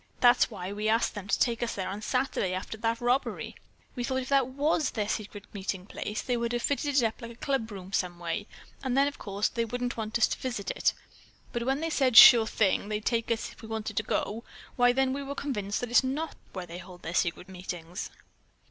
That's why we asked them to take us there Saturday after that robbery. We thought if that was their secret meeting place, they would have it fitted up like a clubroom some way, and then of course they wouldn't want us to visit it. But when they said 'sure thing,' they'd take us if we wanted to go, why then we were convinced that's not where they hold their secret meetings."